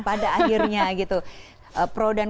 pada akhirnya gitu pro dan